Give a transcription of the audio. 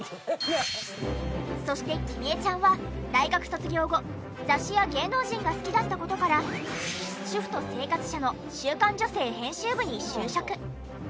そして紀美江ちゃんは大学卒業後雑誌や芸能人が好きだった事から主婦と生活社の『週刊女性』編集部に就職。